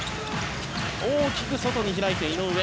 大きく外に開いて井上。